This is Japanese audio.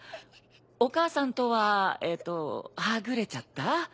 お母さんとはえっとはぐれちゃった？